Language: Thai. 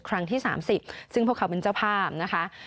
ครั้งที่๓๐ซึ่งพวกเขาเป็นเจ้าภาพนะคะ